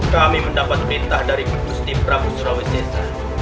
kami mendapat perintah dari petusti prabu surawi sesa